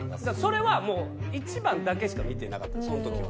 それはもう１番だけしか見てなかったその時は。